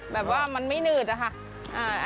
แบบว่ามันไม่หนืดอะค่ะ